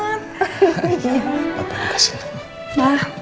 apa yang kasih